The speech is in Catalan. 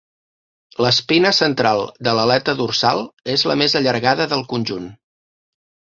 L'espina central de l'aleta dorsal és la més allargada del conjunt.